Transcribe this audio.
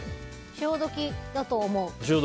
潮時だと思う。